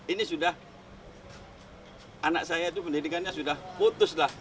ini sudah anak saya itu pendidikannya sudah putus lah